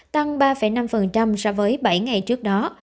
tăng ba năm so với bảy ngày trước đó